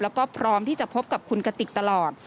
แล้วก็พร้อมที่จะพบกับคุณกติกตลอด